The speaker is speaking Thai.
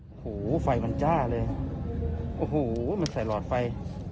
โอ้โหไฟมันจ้าเลยโอ้โหมันใส่หลอดไฟ